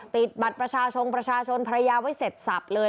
บัตรประชาชนประชาชนภรรยาไว้เสร็จสับเลย